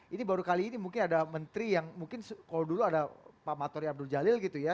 ini baru kali ini mungkin ada menteri yang mungkin kalau dulu ada pak matori abdul jalil gitu ya